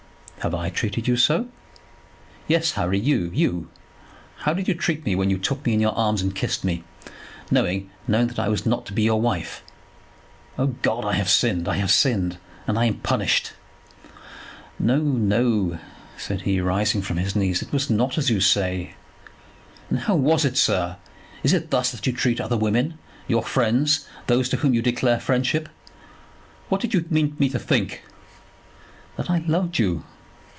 "Have I treated you so?" "Yes, Harry; you, you. How did you treat me when you took me in your arms and kissed me, knowing, knowing that I was not to be your wife? O God, I have sinned. I have sinned, and I am punished." "No, no," said he, rising from his knees, "it was not as you say." "Then how was it, sir? Is it thus that you treat other women; your friends, those to whom you declare friendship? What did you mean me to think?" "That I loved you."